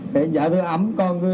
đặng cho nó lên xuồng xô ra